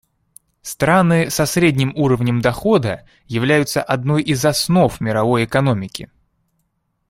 Страны со средним уровнем дохода являются одной из основ мировой экономики.